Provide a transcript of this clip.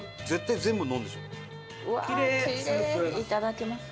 いただきます。